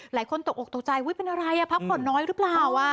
หลายคนตกอกตกใจอุ๊ยเป็นอะไรอ่ะพักห่วงน้อยหรือเปล่าอ่ะ